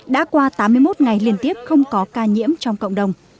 đã qua tám mươi một ngày liên tiếp không có ca nhiễm trong cộng đồng